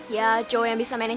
ya cowok yang bisa mainnya